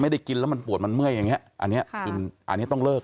กินแล้วมันปวดมันเมื่อยอย่างเงี้อันนี้คืออันนี้ต้องเลิก